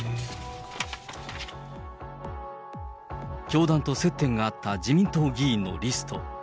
教団と接点があった自民党議員のリスト。